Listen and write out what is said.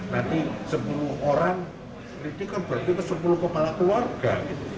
nanti sepuluh orang ini kan berarti ke sepuluh kepala keluarga